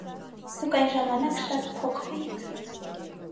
դուք այն ժամանակ շատ փոքր էիք: